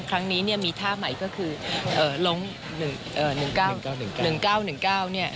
ลง๑๙๑๙เนี่ย